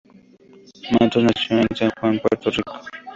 Matos nació en San Juan, Puerto Rico.